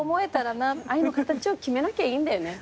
愛の形を決めなきゃいいんだよね。